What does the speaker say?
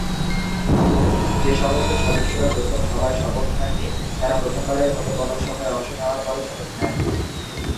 যে সমস্ত সদস্যরা প্রথম সভায় শপথ নেননি তারা প্রথমবারের মতো কোনও সভায় অংশ নেওয়ার পরে শপথ নেন।